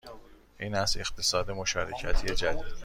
این است اقتصاد مشارکتی جدید